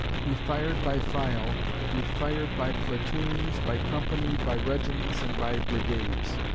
He fired by file, he fired by platoons, by company, by regiments and by brigades.